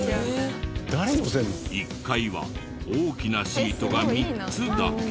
１階は大きなシートが３つだけ。